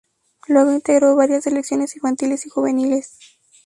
Luego integró varias selecciones infantiles y juveniles.